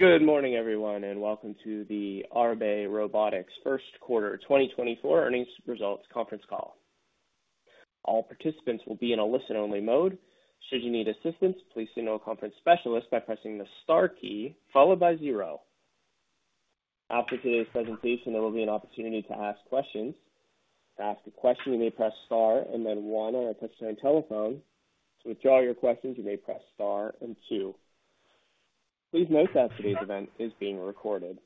Good morning, everyone, and welcome to the Arbe Robotics First Quarter 2024 Earnings Results Conference Call. All participants will be in a listen-only mode. Should you need assistance, please signal a conference specialist by pressing the star key followed by zero. After today's presentation, there will be an opportunity to ask questions. To ask a question, you may press star and then one on your touch-tone telephone. To withdraw your questions, you may press star and two. Please note that today's event is being recorded.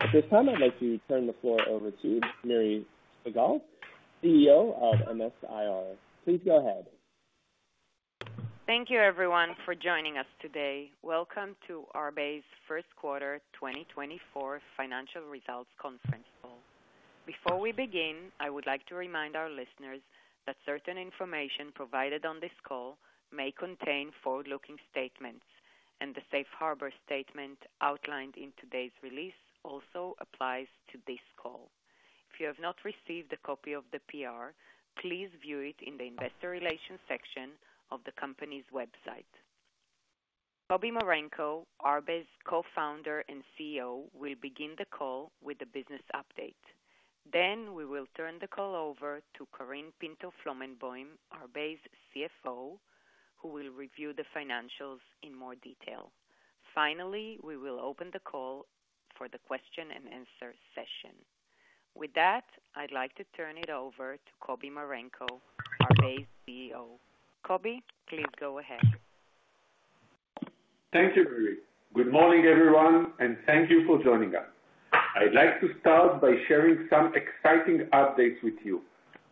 At this time, I'd like to turn the floor over to Miri Segal, CEO of MS-IR. Please go ahead. Thank you everyone for joining us today. Welcome to Arbe's first quarter 2024 financial results conference call. Before we begin, I would like to remind our listeners that certain information provided on this call may contain forward-looking statements, and the safe harbor statement outlined in today's release also applies to this call. If you have not received a copy of the PR, please view it in the investor relations section of the company's website. Kobi Marenko, Arbe's Co-Founder and CEO, will begin the call with a business update. Then we will turn the call over to Karine Pinto-Flomenboim, Arbe's CFO, who will review the financials in more detail. Finally, we will open the call for the question and answer session. With that, I'd like to turn it over to Kobi Marenko, Arbe's CEO. Kobi, please go ahead. Thank you, Miri. Good morning, everyone, and thank you for joining us. I'd like to start by sharing some exciting updates with you.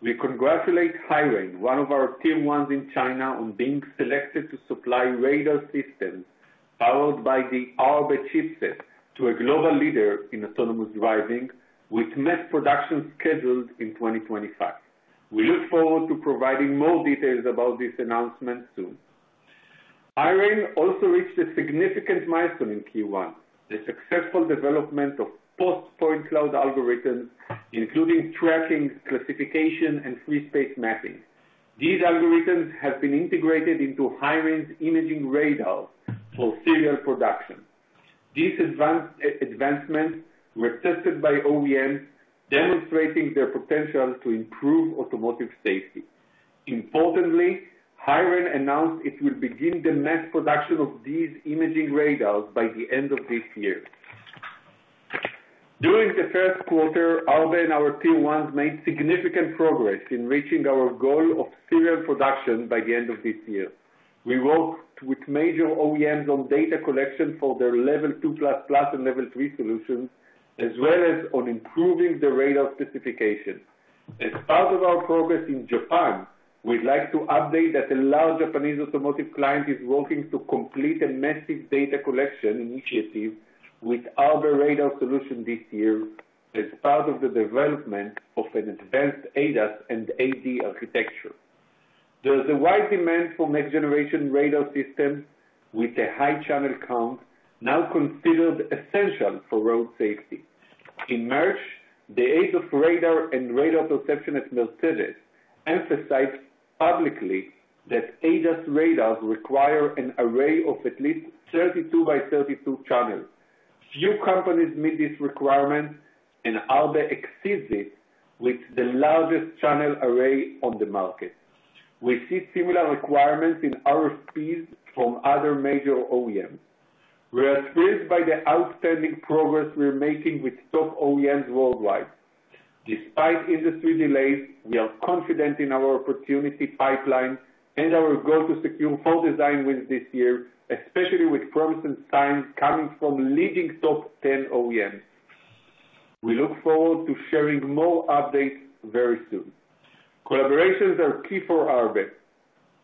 We congratulate HiRain, one of our Tier 1s in China, on being selected to supply radar systems powered by the Arbe chipset to a global leader in autonomous driving, with mass production scheduled in 2025. We look forward to providing more details about this announcement soon. HiRain also reached a significant milestone in Q1, the successful development of post point cloud algorithms, including tracking, classification, and free space mapping. These algorithms have been integrated into HiRain's imaging radar for serial production. These advanced advancements were tested by OEM, demonstrating their potential to improve automotive safety. Importantly, HiRain announced it will begin the mass production of these imaging radars by the end of this year. During the first quarter, Arbe and our teams made significant progress in reaching our goal of serial production by the end of this year. We worked with major OEMs on data collection for their Level 2++ and Level 3 solutions, as well as on improving the radar specification. As part of our progress in Japan, we'd like to update that a large Japanese automotive client is working to complete a massive data collection initiative with Arbe radar solution this year as part of the development of an advanced ADAS and AD architecture. There is a wide demand for next-generation radar systems with a high channel count, now considered essential for road safety. In March, the head of radar and radar perception at Mercedes emphasized publicly that ADAS radars require an array of at least 32 by 32 channels. Few companies meet this requirement, and Arbe exceeds it with the largest channel array on the market. We see similar requirements in RFPs from other major OEMs. We are thrilled by the outstanding progress we are making with top OEMs worldwide. Despite industry delays, we are confident in our opportunity pipeline and our goal to secure four design wins this year, especially with promising signs coming from leading top 10 OEMs. We look forward to sharing more updates very soon. Collaborations are key for Arbe.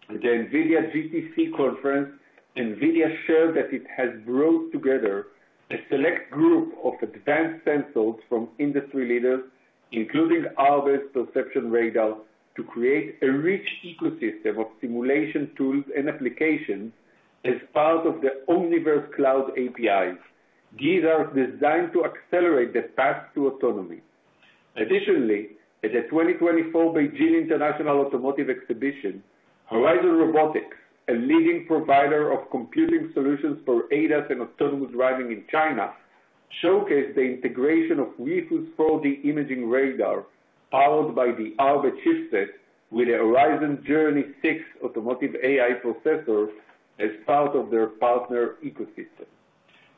At the NVIDIA GTC conference, NVIDIA shared that it has brought together a select group of advanced sensors from industry leaders, including Arbe's Perception Radar, to create a rich ecosystem of simulation tools and applications as part of the Omniverse Cloud APIs. These are designed to accelerate the path to autonomy. Additionally, at the 2024 Beijing International Automotive Exhibition, Horizon Robotics, a leading provider of computing solutions for ADAS and autonomous driving in China, showcased the integration of Weifu's 4D imaging radar, powered by the Arbe chipset, with a Horizon Journey 6 automotive AI processors as part of their partner ecosystem.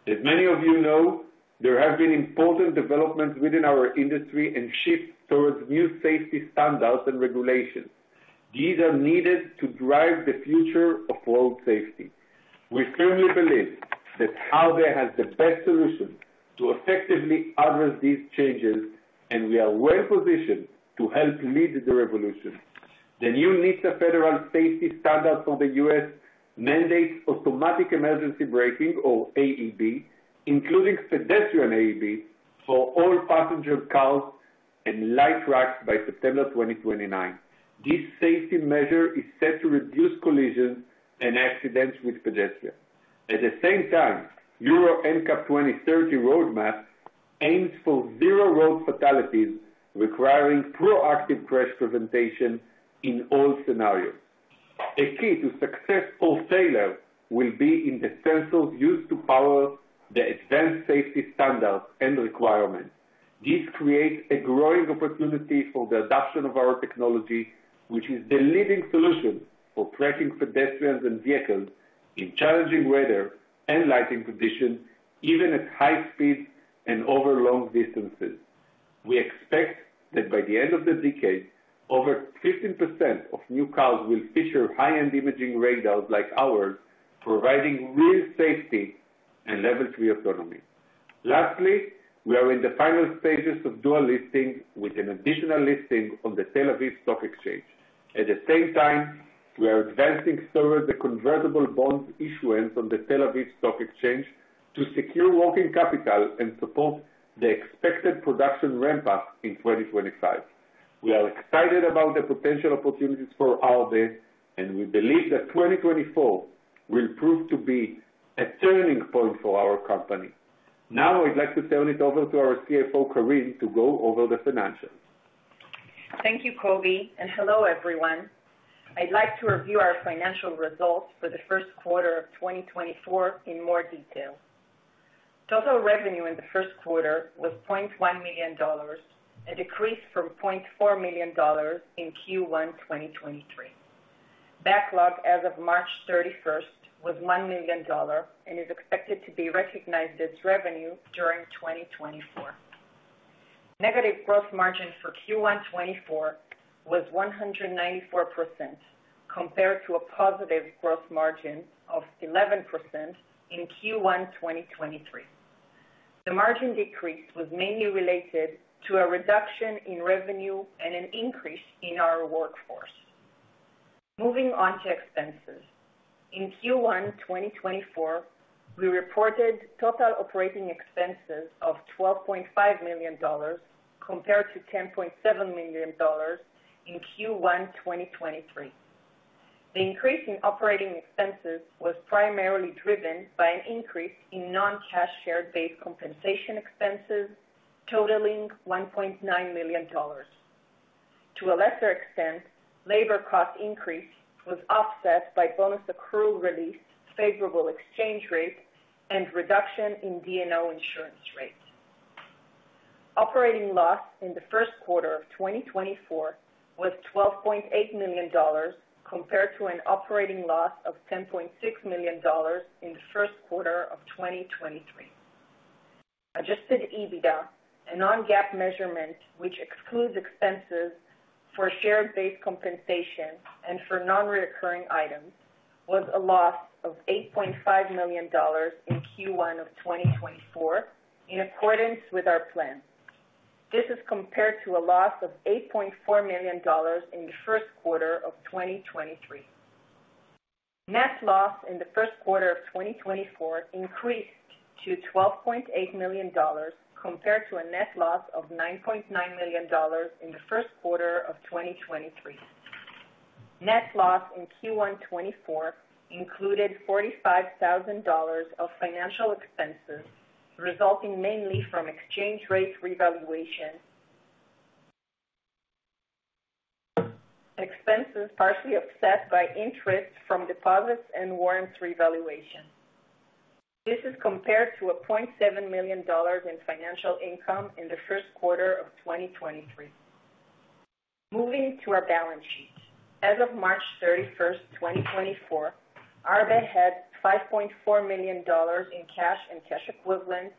As many of you know, there have been important developments within our industry and shift towards new safety standards and regulations. These are needed to drive the future of road safety. We firmly believe that Arbe has the best solution to effectively address these changes, and we are well positioned to help lead the revolution. The new NHTSA federal safety standard for the U.S. mandates automatic emergency braking, or AEB, including pedestrian AEB, for all passenger cars and light trucks by September 2029. This safety measure is set to reduce collisions and accidents with pedestrians. At the same time, Euro NCAP 2030 roadmap aims for zero road fatalities, requiring proactive crash prevention in all scenarios. A key to successful realization will be in the sensors used to power the advanced safety standards and requirements. This creates a growing opportunity for the adoption of our technology, which is the leading solution for tracking pedestrians and vehicles in challenging weather and lighting conditions, even at high speeds and over long distances. We expect that by the end of the decade, over 15% of new cars will feature high-end imaging radars like ours, providing real safety and Level 3 autonomy. Lastly, we are in the final stages of dual listing, with an additional listing on the Tel Aviv Stock Exchange. At the same time, we are advancing toward the convertible bond issuance on the Tel Aviv Stock Exchange to secure working capital and support the expected production ramp-up in 2025. We are excited about the potential opportunities for Arbe, and we believe that 2024 will prove to be a turning point for our company. Now, I'd like to turn it over to our CFO, Karine, to go over the financials. Thank you, Kobi, and hello, everyone. I'd like to review our financial results for the first quarter of 2024 in more detail. Total revenue in the first quarter was $0.1 million, a decrease from $0.4 million in Q1 2023. Backlog as of March 31 was $1 million and is expected to be recognized as revenue during 2024. Negative gross margin for Q1 2024 was 194%, compared to a positive gross margin of 11% in Q1 2023. The margin decrease was mainly related to a reduction in revenue and an increase in our workforce. Moving on to expenses. In Q1 2024, we reported total operating expenses of $12.5 million, compared to $10.7 million in Q1 2023. The increase in operating expenses was primarily driven by an increase in non-cash, share-based compensation expenses, totaling $1.9 million. To a lesser extent, labor cost increase was offset by bonus accrual release, favorable exchange rates, and reduction in D&O insurance rates. Operating loss in the first quarter of 2024 was $12.8 million, compared to an operating loss of $10.6 million in the first quarter of 2023. Adjusted EBITDA, a non-GAAP measurement, which excludes expenses for share-based compensation and for non-recurring items, was a loss of $8.5 million in Q1 of 2024, in accordance with our plan. This is compared to a loss of $8.4 million in the first quarter of 2023. Net loss in the first quarter of 2024 increased to $12.8 million, compared to a net loss of $9.9 million in the first quarter of 2023. Net loss in Q1 2024 included $45,000 of financial expenses, resulting mainly from exchange rate revaluation. Expenses partially offset by interest from deposits and warrants revaluation. This is compared to $0.7 million in financial income in the first quarter of 2023. Moving to our balance sheet. As of March 31, 2024, Arbe had $5.4 million in cash and cash equivalents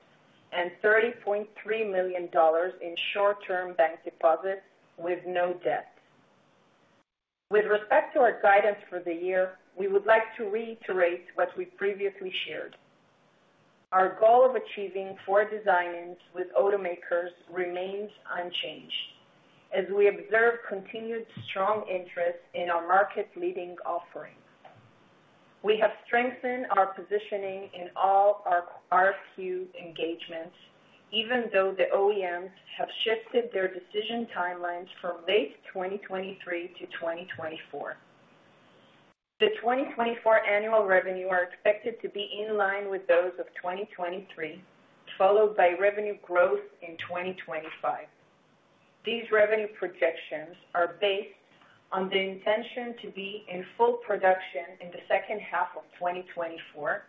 and $30.3 million in short-term bank deposits with no debt. With respect to our guidance for the year, we would like to reiterate what we previously shared. Our goal of achieving four designs with automakers remains unchanged, as we observe continued strong interest in our market-leading offerings. We have strengthened our positioning in all our RFQ engagements, even though the OEMs have shifted their decision timelines from late 2023 to 2024. The 2024 annual revenue are expected to be in line with those of 2023, followed by revenue growth in 2025. These revenue projections are based on the intention to be in full production in the second half of 2024,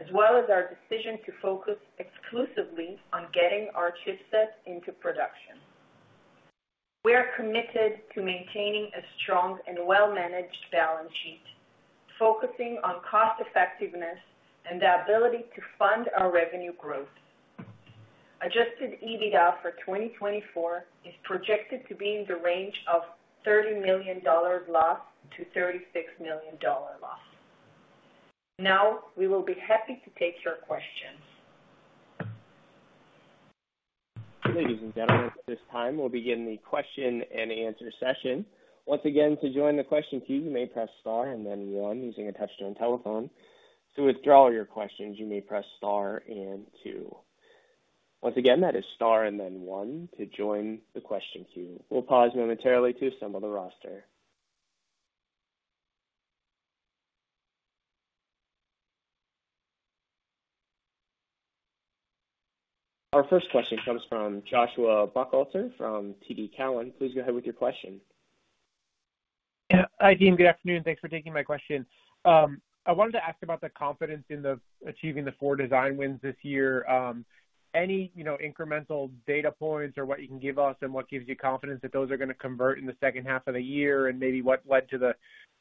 as well as our decision to focus exclusively on getting our chipset into production. We are committed to maintaining a strong and well-managed balance sheet, focusing on cost effectiveness and the ability to fund our revenue growth. Adjusted EBITDA for 2024 is projected to be in the range of $30 million-$36 million loss. Now, we will be happy to take your questions. Ladies and gentlemen, at this time, we'll begin the question-and-answer session. Once again, to join the question queue, you may press star and then one using a touch-tone telephone. To withdraw your questions, you may press star and two. Once again, that is star and then one to join the question queue. We'll pause momentarily to assemble the roster. Our first question comes from Joshua Buchalter from TD Cowen. Please go ahead with your question. Yeah. Hi, team. Good afternoon, thanks for taking my question. I wanted to ask about the confidence in achieving the four design wins this year. Any, you know, incremental data points or what you can give us and what gives you confidence that those are gonna convert in the second half of the year? And maybe what led to the,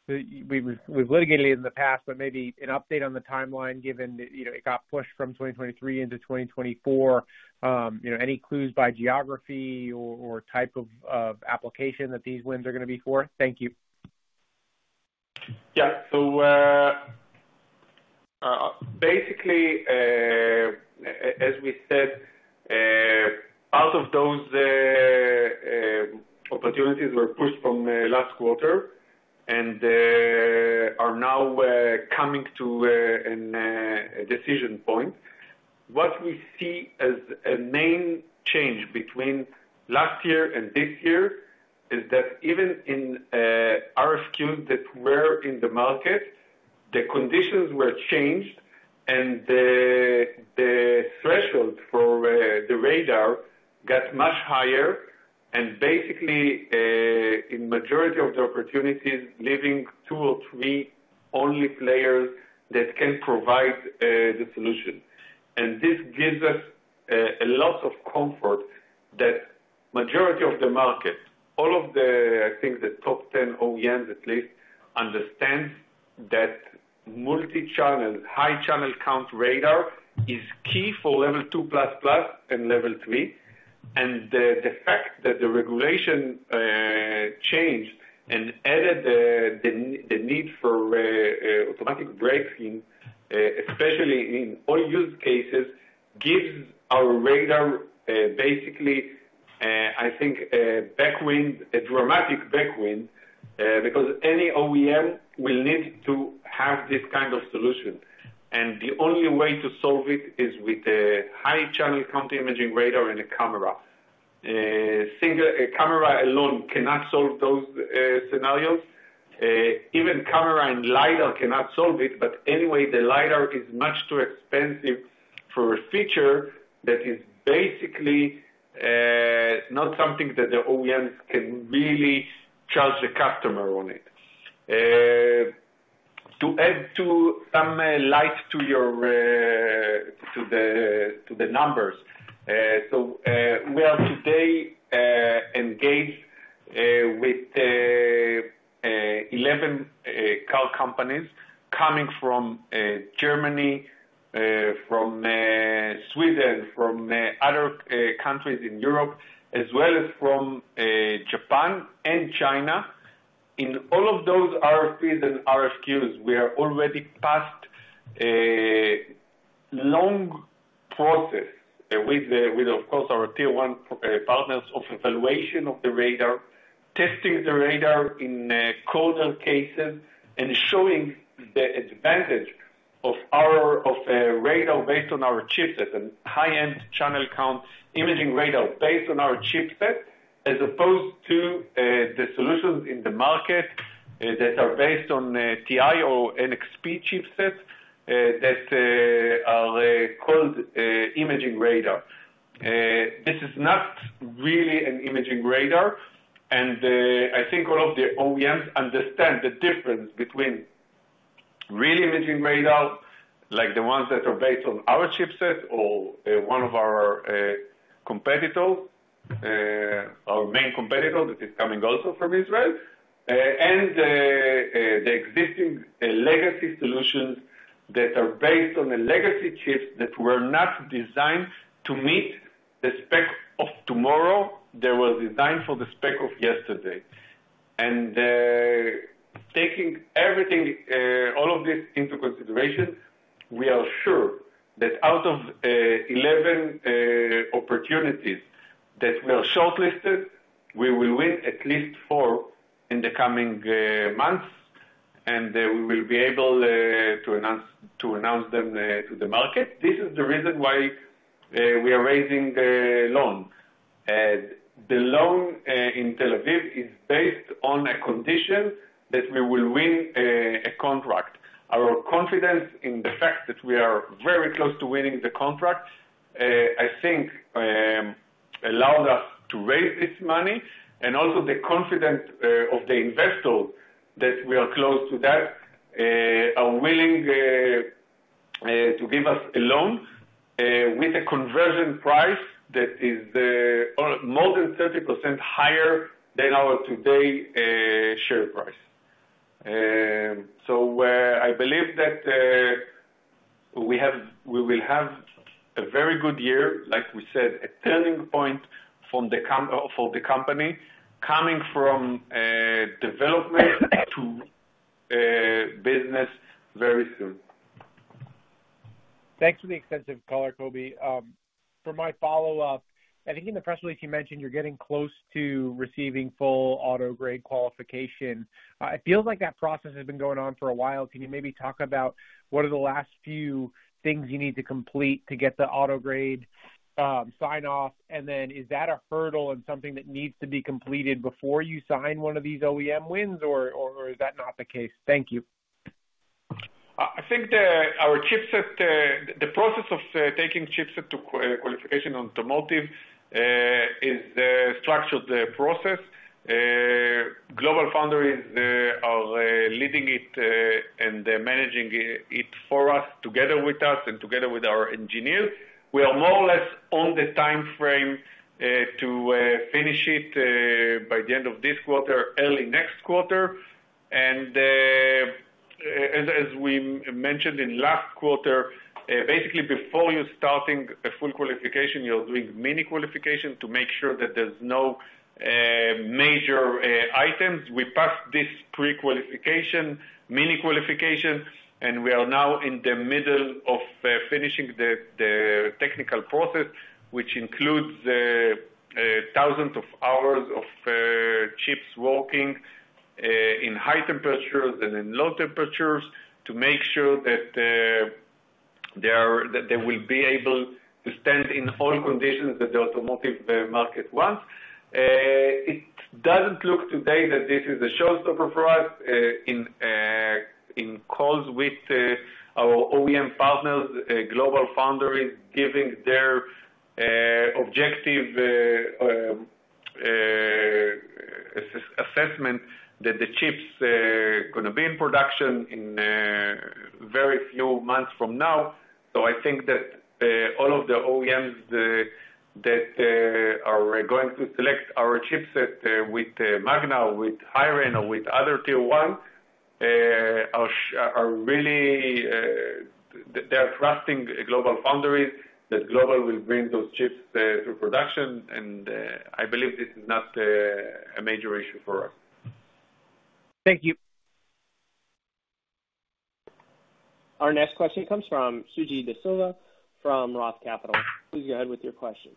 we've litigated in the past, but maybe an update on the timeline given that, you know, it got pushed from 2023 into 2024. You know, any clues by geography or type of application that these wins are gonna be for? Thank you. Yeah. So, basically, as we said, out of those, opportunities were pushed from last quarter and are now coming to a decision point. What we see as a main change between last year and this year is that even in RFQs that were in the market, the conditions were changed and the threshold for the radar got much higher. And basically, in majority of the opportunities, leaving two or three only players that can provide the solution. And this gives us a lot of comfort that majority of the market, all of the, I think, the top 10 OEMs at least, understand that multi-channel, high channel count radar is key for Level 2++ and Level 3. The fact that the regulation changed and added the need for automatic braking, especially in all use cases, gives our radar basically, I think, a backwind, a dramatic backwind, because any OEM will need to have this kind of solution. The only way to solve it is with a high channel count imaging radar and a camera. Single camera alone cannot solve those scenarios. Even camera and LiDAR cannot solve it, but anyway, the LiDAR is much too expensive for a feature that is basically not something that the OEMs can really charge the customer on it. To add some light to the numbers. So, we are today engaged with 11 car companies coming from Germany, from Sweden, from other countries in Europe, as well as from Japan and China. In all of those RFPs and RFQs, we are already past a long process with, of course, our Tier 1 partners of evaluation of the radar, testing the radar in corner cases, and showing the advantage of our radar based on our chipset and high-end channel count imaging radar based on our chipset, as opposed to the solutions in the market that are based on TI or NXP chipsets that are called imaging radar. This is not really an imaging radar, and I think all of the OEMs understand the difference between real imaging radar, like the ones that are based on our chipset or one of our competitors, our main competitor, that is coming also from Israel, and the existing legacy solutions that are based on the legacy chips that were not designed to meet the spec of tomorrow. They were designed for the spec of yesterday. Taking everything, all of this into consideration, we are sure that out of 11 opportunities that were shortlisted, we will win at least four in the coming months, and we will be able to announce them to the market. This is the reason why we are raising the loan. The loan in Tel Aviv is based on a condition that we will win a contract. Our confidence in the fact that we are very close to winning the contract, I think, allowed us to raise this money, and also the confidence of the investor that we are close to that are willing to give us a loan with a conversion price that is more than 30% higher than our today share price. So, I believe that we have-- we will have a very good year, like we said, a turning point from the com- for the company, coming from development to business very soon. Thanks for the extensive color, Kobi. For my follow-up, I think in the press release you mentioned you're getting close to receiving full automotive grade qualification. It feels like that process has been going on for a while. Can you maybe talk about what are the last few things you need to complete to get the automotive grade sign off? And then is that a hurdle and something that needs to be completed before you sign one of these OEM wins, or, or, or is that not the case? Thank you.... I think our chipset, the process of taking the chipset to qualification for automotive is a structured process. GlobalFoundries are leading it, and they're managing it for us, together with us and together with our engineers. We are more or less on the timeframe to finish it by the end of this quarter, early next quarter. And, as we mentioned in last quarter, basically before you're starting a full qualification, you're doing mini qualification to make sure that there's no major items. We passed this pre-qualification, mini qualification, and we are now in the middle of finishing the technical process, which includes thousands of hours of chips working in high temperatures and in low temperatures to make sure that they will be able to stand in all conditions that the automotive market wants. It doesn't look today that this is a showstopper for us. In calls with our OEM partners, GlobalFoundries giving their objective assessment that the chips are gonna be in production in very few months from now. I think that all of the OEMs that are going to select our chipset with Magna, with HiRain or with other Tier 1 are really trusting GlobalFoundries, that Global will bring those chips to production, and I believe this is not a major issue for us. Thank you. Our next question comes from Suji Desilva, from Roth Capital. Please go ahead with your question.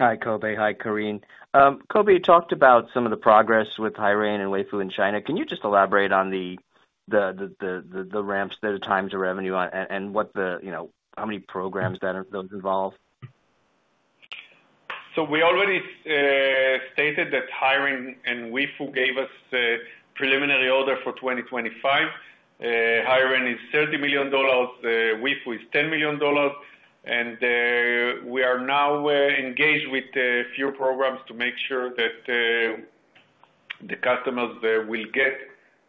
Hi, Kobi. Hi, Karine. Kobi, you talked about some of the progress with HiRain and Weifu in China. Can you just elaborate on the ramps, the time to revenue and what the, you know, how many programs those involve? So we already stated that HiRain and Weifu gave us a preliminary order for 2025. HiRain is $30 million, Weifu is $10 million. And we are now engaged with a few programs to make sure that the customers will get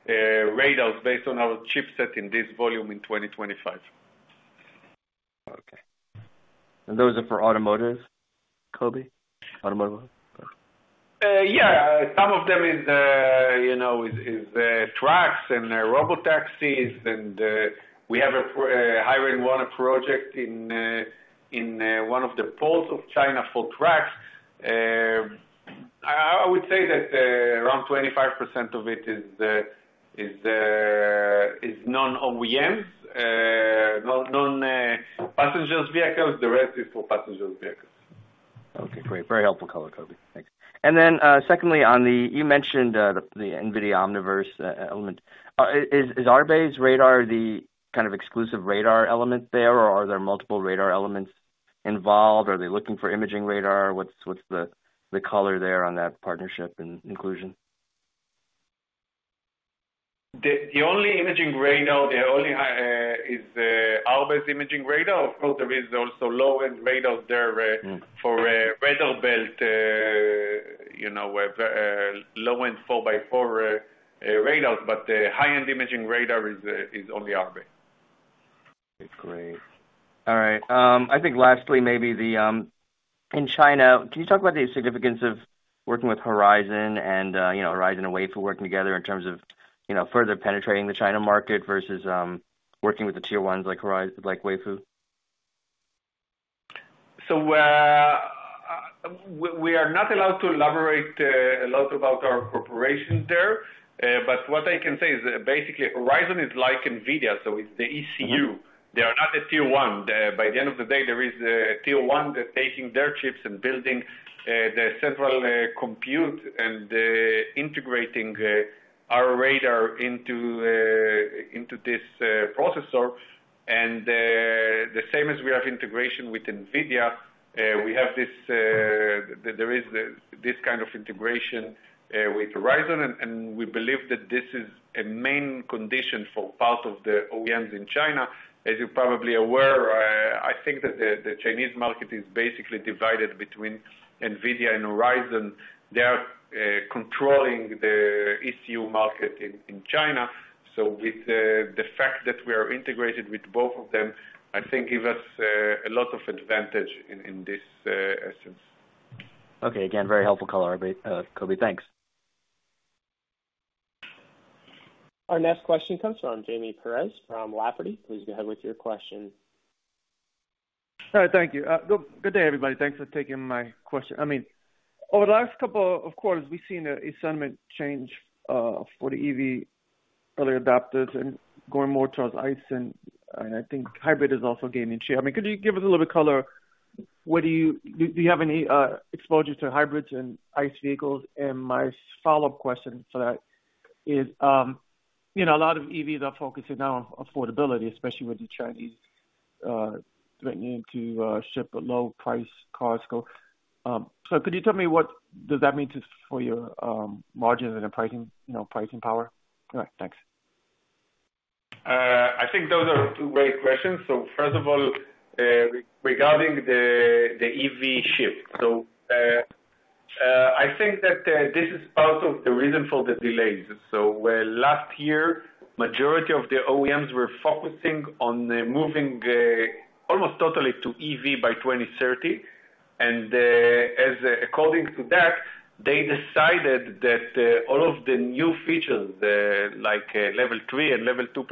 radars based on our chipset in this volume in 2025. Okay. And those are for automotives, Kobi? Automotive? Yeah, some of them is, you know, is, is, trucks and robotaxis. And, we have HiRain won a project in, in, one of the ports of China for trucks. I would say that, around 25% of it is, is, is non-OEMs, non, non, passengers vehicles. The rest is for passengers vehicles. Okay, great. Very helpful color, Kobi. Thanks. And then, secondly, on the... You mentioned, the NVIDIA Omniverse element. Is Arbe's radar the kind of exclusive radar element there, or are there multiple radar elements involved? Are they looking for imaging radar? What's the color there on that partnership and inclusion? The only imaging radar is Arbe's imaging radar. Of course, there is also low-end radar there. Mm. for a radar belt, you know, where low-end 4x4 radars, but the high-end imaging radar is only Arbe. Great. All right. I think lastly, maybe in China, can you talk about the significance of working with Horizon and, you know, Horizon and Weifu working together in terms of, you know, further penetrating the China market versus working with the Tier 1s like Horizon, like Weifu? So, we are not allowed to elaborate a lot about our corporations there, but what I can say is that basically Horizon is like NVIDIA, so it's the ECU. Mm-hmm. They are not a Tier 1. By the end of the day, there is a Tier 1 that's taking their chips and building the central compute and integrating our radar into this processor. The same as we have integration with NVIDIA, we have this kind of integration with Horizon, and we believe that this is a main condition for part of the OEMs in China. As you're probably aware, I think that the Chinese market is basically divided between NVIDIA and Horizon. They are controlling the ECU market in China. So with the fact that we are integrated with both of them, I think gives us a lot of advantage in this essence. Okay. Again, very helpful color, Arbe, Kobi. Thanks. Our next question comes from Jaime Perez from Lafferty. Please go ahead with your question. Thank you. Good day, everybody. Thanks for taking my question. I mean, over the last couple of quarters, we've seen a sentiment change for the EV early adopters and going more towards ICE, and I think hybrid is also gaining share. I mean, could you give us a little bit of color, do you have any exposure to hybrids and ICE vehicles? And my follow-up question to that is, you know, a lot of EVs are focusing now on affordability, especially with the Chinese threatening to ship low-price cars go. So could you tell me what does that mean just for your margins and the pricing, you know, pricing power? All right, thanks. I think those are two great questions. So first of all, regarding the EV shift. So, I think that this is part of the reason for the delays. So where last year, majority of the OEMs were focusing on moving almost totally to EV by 2030, and, as according to that, they decided that all of the new features, like Level 3 and Level 2++,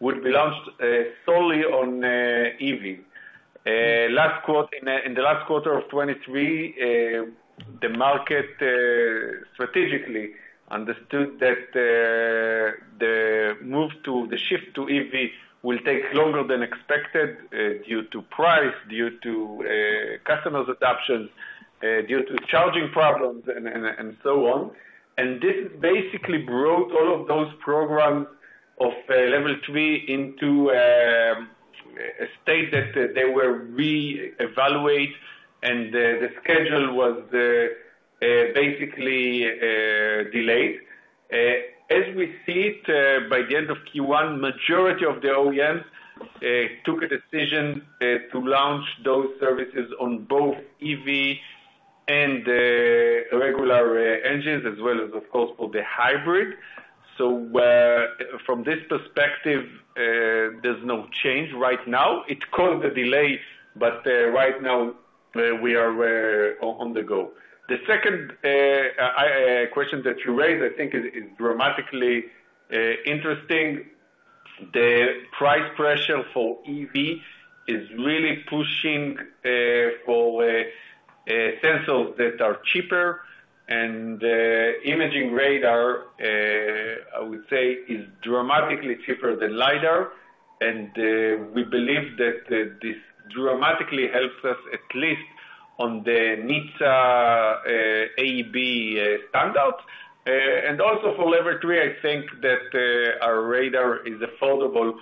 would be launched solely on EV. Last quarter, in the last quarter of 2023, the market strategically understood that the move to the shift to EV will take longer than expected, due to price, due to customers' adoption, due to charging problems and so on. This basically brought all of those programs of Level 3 into a state that they were re-evaluate, and the schedule was basically delayed. As we see it, by the end of Q1, majority of the OEMs took a decision to launch those services on both EV and regular engines, as well as, of course, for the hybrid. So, from this perspective, there's no change right now. It caused a delay, but right now, we are on the go. The second question that you raised, I think is dramatically interesting. The price pressure for EV is really pushing for sensors that are cheaper, and imaging radar, I would say, is dramatically cheaper than LiDAR, and we believe that this dramatically helps us, at least on the NHTSA AEB standout. Also for Level 3, I think that our radar is affordable,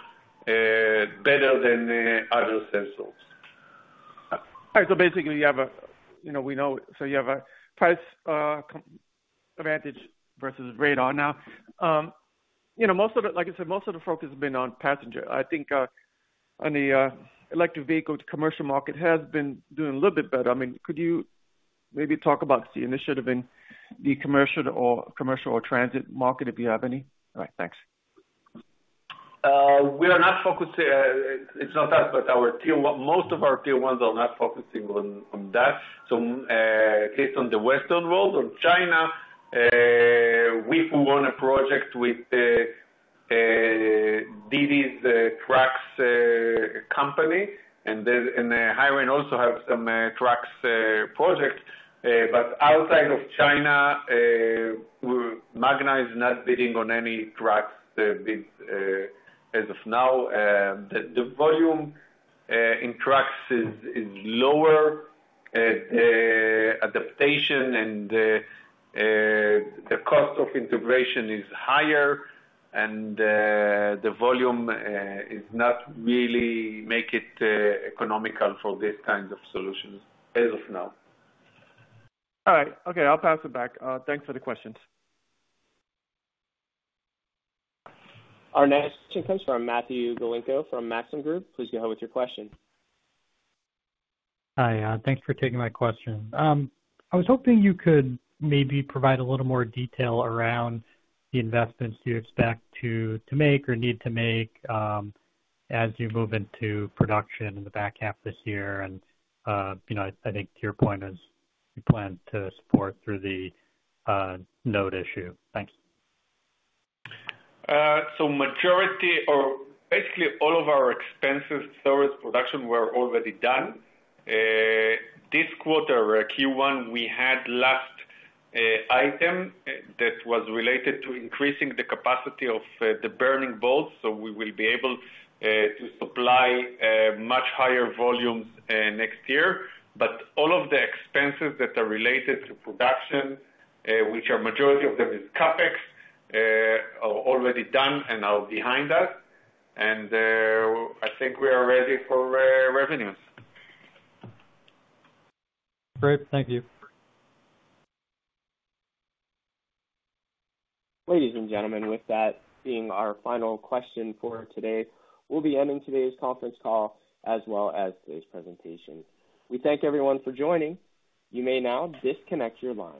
better than other sensors. All right. So basically, you have a, you know, we know, so you have a price advantage versus LiDAR now. You know, most of the, like you said, most of the focus has been on passenger. I think the electric vehicle commercial market has been doing a little bit better. I mean, could you maybe talk about the initiative in the commercial or transit market, if you have any? All right, thanks. We are not focused, it's not us, but our Tier 1—most of our Tier 1s are not focusing on that. So, at least on the Western world. On China, we won a project with DiDi's trucks company, and then HiRain also have some trucks project. But outside of China, Magna is not bidding on any trucks bid as of now. The volume in trucks is lower, adoption and the cost of integration is higher, and the volume is not really make it economical for these kinds of solutions as of now. All right. Okay, I'll pass it back. Thanks for the questions. Our next question comes from Matthew Galinko, from Maxim Group. Please go ahead with your question. Hi, thanks for taking my question. I was hoping you could maybe provide a little more detail around the investments you expect to make or need to make, as you move into production in the back half of this year. And, you know, I think to your point, as you plan to support through the note issue. Thank you. So majority or basically all of our expensive service production were already done. This quarter, Q1, we had last item that was related to increasing the capacity of the burn-in boards, so we will be able to supply much higher volumes next year. But all of the expenses that are related to production, which are majority of them, is CapEx, are already done and are behind us. And I think we are ready for revenues. Great. Thank you. Ladies and gentlemen, with that being our final question for today, we'll be ending today's conference call as well as today's presentation. We thank everyone for joining. You may now disconnect your line.